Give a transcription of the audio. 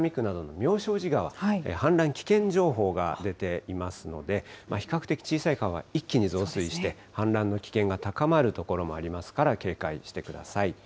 しょうじ川、氾濫危険情報が出ていますので、比較的小さい川が一気に増水して、氾濫の危険が高まる所もありますから警戒してください。